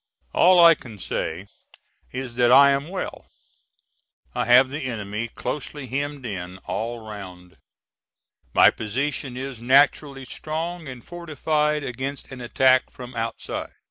All I can say is that I am well. I have the enemy closely hemmed in all round. My position is naturally strong and fortified against an attack from outside.